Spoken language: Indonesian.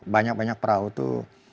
banyak banyak perahu itu